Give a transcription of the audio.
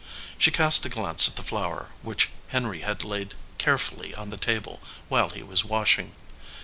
She cast a glance at the flower which Henry had laid carefully on the table while he was washing.